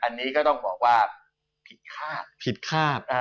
อันนี้ก็ต้องบอกว่าผิดคาด